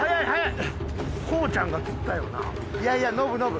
いやいやノブノブ。